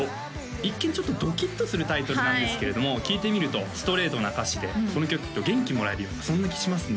一見ちょっとドキッとするタイトルなんですけれども聴いてみるとストレートな歌詞でこの曲聴くと元気もらえるようなそんな気しますね